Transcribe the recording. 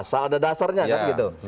asal ada dasarnya kan gitu